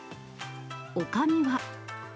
おかみは。